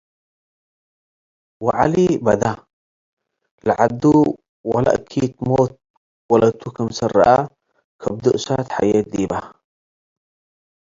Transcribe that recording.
ወዐሊ በደ ለዐዱ ወለእኪት ሞት ወለቱ ክምሰል ረአ ከብዱ እሳት ሐዬት ዲበ።